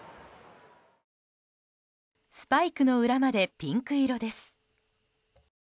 スパイクの裏までピンク色です。